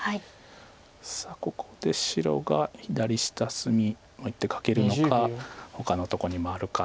さあここで白が左下隅１手かけるのかほかのとこに回るか。